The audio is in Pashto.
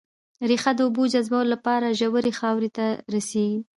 ريښه د اوبو جذبولو لپاره ژورې خاورې ته رسېږي